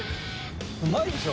うまいでしょ。